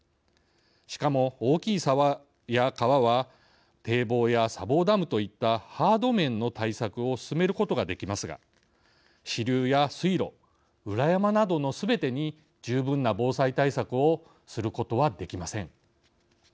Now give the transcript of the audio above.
しかも大きい沢や川は堤防や砂防ダムといったハード面の対策を進めることができますが支流や水路、裏山などのすべてに十分な防災対策をすることはできません。